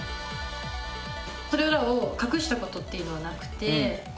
それらを隠したことっていうのはなくて。